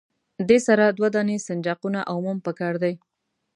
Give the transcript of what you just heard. دې سره دوه دانې سنجاقونه او موم پکار دي.